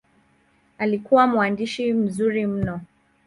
Alikuwa mwandishi mzuri mno.